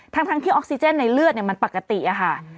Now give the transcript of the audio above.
ทั้งที่ออกซิเจนในเลือดมันปกติอะค่ะ